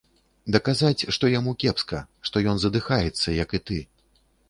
Даказаць, што яму кепска, што ён задыхаецца як і ты.